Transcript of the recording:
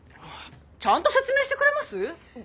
ちゃんと説明してくれます？